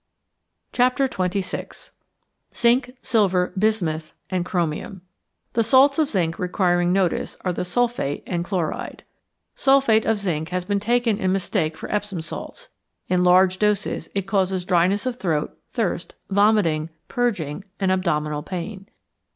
XXVI. ZINC, SILVER, BISMUTH, AND CHROMIUM The salts of zinc requiring notice are the sulphate and chloride. =Sulphate of Zinc= has been taken in mistake for Epsom salts. In large doses it causes dryness of throat, thirst, vomiting, purging, and abdominal pain.